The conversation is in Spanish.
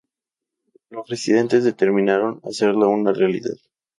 Los residentes determinaron hacerla una realidad.